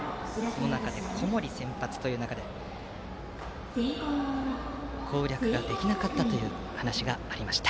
小森先発という中で攻略ができなかったという話がありました。